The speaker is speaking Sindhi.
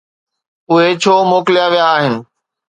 اهي ڇو موڪليا ويا آهن؟